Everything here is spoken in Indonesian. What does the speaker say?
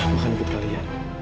aku akan ikut kalian